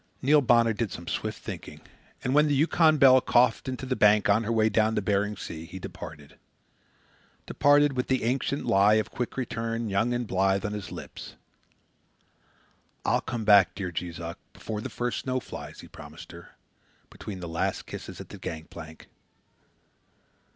Neil Bonner did some swift thinking, and when the Yukon Belle coughed in to the bank on her way down to Bering Sea, he departed departed with the ancient lie of quick return young and blithe on his lips. "I'll come back, dear Jees Uck, before the first snow flies," he promised her, between the last kisses at the gang plank.